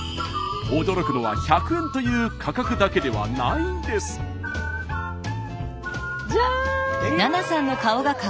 驚くのは１００円という価格だけではないんです。じゃん！